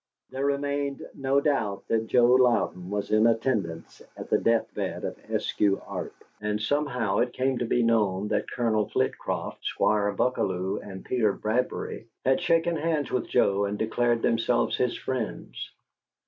There remained no doubt that Joe Louden was in attendance at the death bed of Eskew Arp, and somehow it came to be known that Colonel Flitcroft, Squire Buckalew, and Peter Bradbury had shaken hands with Joe and declared themselves his friends.